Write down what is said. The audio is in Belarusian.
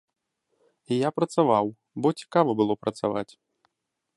І я працаваў, бо цікава было працаваць.